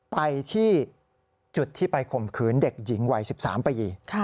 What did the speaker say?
ไปที่จุดที่ไปข่มขืนเด็กหญิงวัย๑๓ปี